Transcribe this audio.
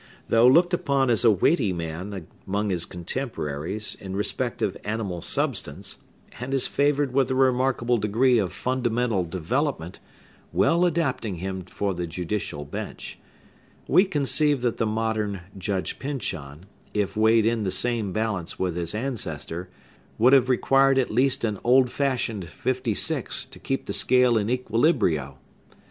Though looked upon as a weighty man among his contemporaries in respect of animal substance, and as favored with a remarkable degree of fundamental development, well adapting him for the judicial bench, we conceive that the modern Judge Pyncheon, if weighed in the same balance with his ancestor, would have required at least an old fashioned fifty six to keep the scale in equilibrio.